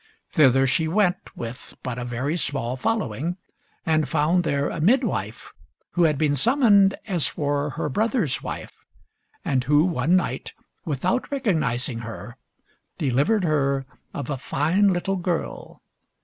Thither she went with but a very small following, and found there a midwife who had been summoned as for her brother's wife, and who one night, without recognising her, delivered her of a fine little girl.